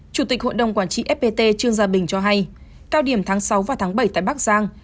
chủ tịch hội đồng quản trị fpt trương gia bình cho hay cao điểm tháng sáu và tháng bảy tại bắc giang